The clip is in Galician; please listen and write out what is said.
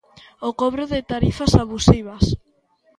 O cobro de tarifas abusivas.